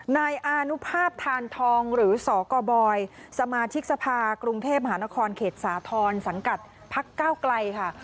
นายอานุภาพทานทองหรือสกบสมาชิกสภากรุงเทพมหานครเขตสาธรณ์สังกัดพักเก้าไกลค่ะ